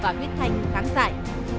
thứ ba vệnh viết thành kháng dạy